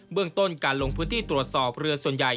เรื่องต้นการลงพื้นที่ตรวจสอบเรือส่วนใหญ่